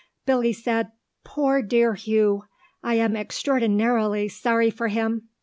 Billy said, "Poor dear Hugh. I am extraordinarily sorry for him.